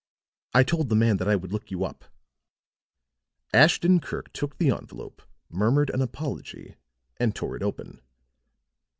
I told the man that I would look you up." Ashton Kirk took the envelope, murmured an apology and tore it open.